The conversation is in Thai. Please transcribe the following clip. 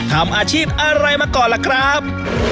ทำอาชีพอะไรมาก่อนล่ะครับ